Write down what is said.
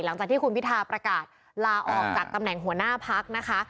หลังจากที่คุณพิทาประกาศลาออกจากตำแหน่งหัวหน้าพักนะคะ